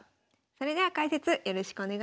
それでは解説よろしくお願いいたします。